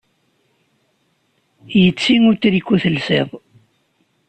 Yetti utriku i telsiḍ.